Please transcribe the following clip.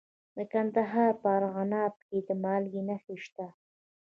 د کندهار په ارغنداب کې د مالګې نښې شته.